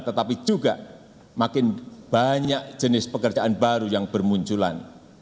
tetapi juga makin banyak jenis pekerjaan baru yang bermunculan